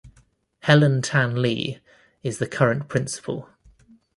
Helen Tan-Lee is the current principal.